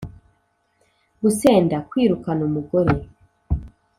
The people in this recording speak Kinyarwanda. gusenda: kwirukana umugore